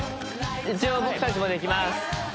一応僕達もできます